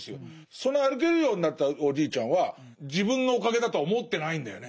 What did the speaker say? その歩けるようになったおじいちゃんは自分のおかげだとは思ってないんだよね。